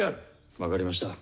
分かりました。